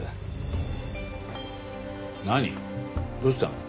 どうしたの？